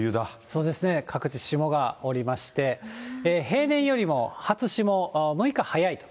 そうですね、各地、霜が降りまして、平年よりも初霜６日早いと。